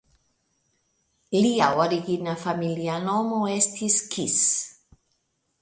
Lia origina familia nomo estis "Kis".